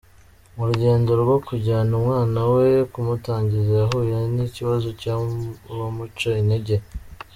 Mu rugendo rwo kujyana umwana we kumutangiza yahuye n’ikibazo cy’abamuca intege.